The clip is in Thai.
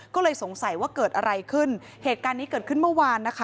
ก็เลยสงสัยว่าเกิดอะไรขึ้นเหตุการณ์นี้เกิดขึ้นเมื่อวานนะคะ